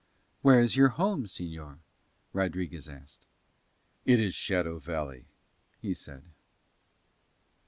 "Where is your home, señor?" Rodriguez asked. "It is Shadow Valley," he said.